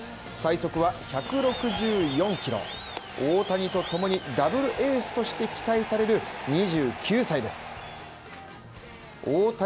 最速は１６４キロ、大谷とともに、ダブルエースとして期待される２９歳です。